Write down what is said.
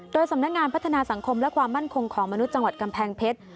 โดยสำนักงานพัฒนาสังคมและความมั่นคงของมนุษย์จังหวัดกำแพงเพชร